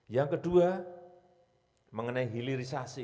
yang kedua mengenai hilirisasi